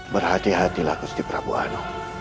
berhati hatilah kusti prabu anu